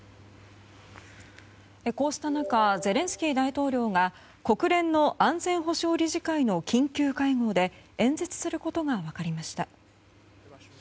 こうした中ゼレンスキー大統領が国連の安全保障理事会の緊急会合で演説することが分かりました。